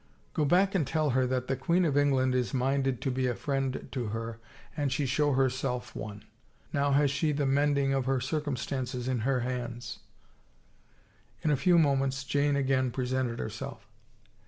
" Go back and tell her that the queen of England is minded to be a friend to her an she show herself one. Now has she the mending of her circumstances in her hands." In a few moments Jane again presented herself.